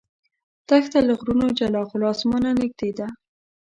دښته له غرونو جلا خو له اسمانه نږدې ده.